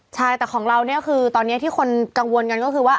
ใช่แต่ของเราเนี่ยคือตอนนี้ที่คนกังวลกันก็คือว่า